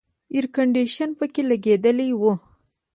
اییر کنډیشنونه پکې لګېدلي وو.